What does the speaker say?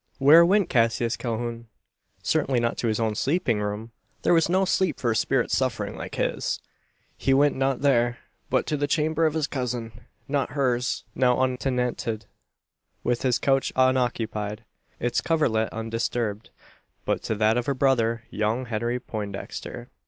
Where went Cassius Calhoun? Certainly not to his own sleeping room. There was no sleep for a spirit suffering like his. He went not there; but to the chamber of his cousin. Not hers now untenanted, with its couch unoccupied, its coverlet undisturbed but to that of her brother, young Henry Poindexter.